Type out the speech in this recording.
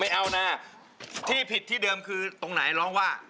เอานะที่ผิดที่เดิมคือตรงไหนร้องว่า